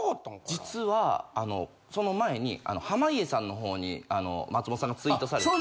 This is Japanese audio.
実はあのその前に濱家さんの方に松本さんがツイートされて。